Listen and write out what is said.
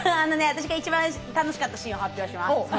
私が一番楽しかったシーンを発表します。